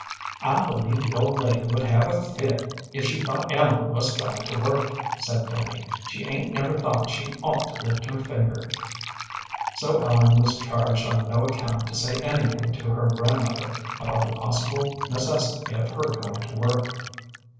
"I believe the old lady would have a fit if she thought Ellen was going to work," said Fanny. "She 'ain't never thought she ought to lift her finger." So Ellen was charged on no account to say anything to her grandmother about the possible necessity of her going to work.